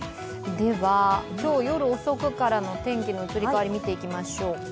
今日夜遅くからの天気の移り変わりを見ていきましょうか。